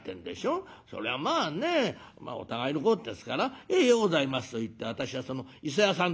そりゃまあねお互いのことですから『ええようございます』と言って私はその伊勢屋さん